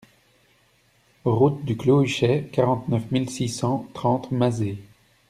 Route du Clos Huchet, quarante-neuf mille six cent trente Mazé